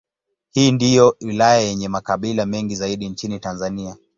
Hii ndiyo wilaya yenye makabila mengi zaidi nchini Tanzania.